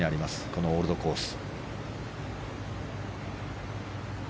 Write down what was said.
このオールドコース。